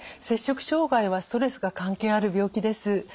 摂食障害はストレスが関係ある病気です。